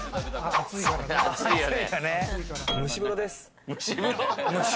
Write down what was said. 蒸し風呂です。